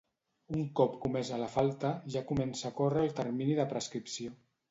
Un cop comesa la falta, ja comença a córrer el termini de prescripció.